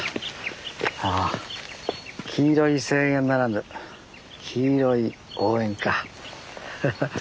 ああ黄色い声援ならぬ黄色い応援か。